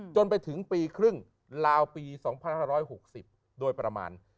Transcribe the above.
จนไปถึงปีครึ่งลาวปี๒๕๖๐โดยประมาณ